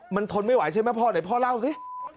มันทนไม่ไหวใช่ไหมพ่อเดี๋ยวพ่อเล่าสิ